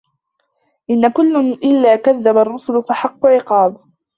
إِن كُلٌّ إِلّا كَذَّبَ الرُّسُلَ فَحَقَّ عِقابِ